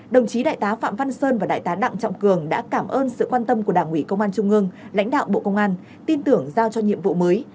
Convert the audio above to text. đồng chí đại tá phạm văn sơn và đại tá đặng trọng cường đã cảm ơn sự quan tâm của đảng ủy công an trung ương lãnh đạo bộ công an tin tưởng giao cho nhiệm vụ mới